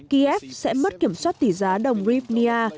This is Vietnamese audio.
kiev sẽ mất kiểm soát tỷ giá đồng rivnia